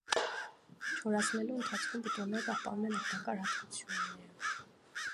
Չորացնելու ընթացքում պտուղները պահպանում են օգտակար հատկությունները։